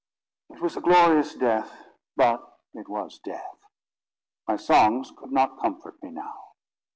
It was a glorious death, but it was death. My songs could not comfort me now.